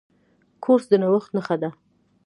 کورس د نوښت نښه ده.